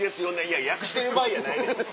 いや訳してる場合やないねん。